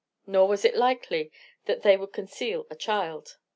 Nor was it likely that they would conceal a child.